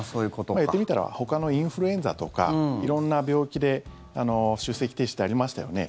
言ってみたらほかのインフルエンザとか色んな病気で出席停止ってありましたよね。